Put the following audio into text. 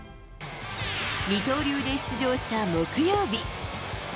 二刀流で出場した木曜日。